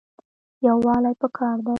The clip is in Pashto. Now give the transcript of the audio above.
یووالی پکار دی